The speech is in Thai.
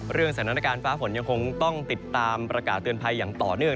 สถานการณ์ฟ้าฝนยังคงต้องติดตามประกาศเตือนภัยอย่างต่อเนื่อง